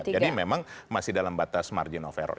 jadi memang masih dalam batas margin of error